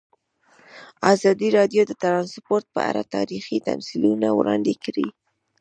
ازادي راډیو د ترانسپورټ په اړه تاریخي تمثیلونه وړاندې کړي.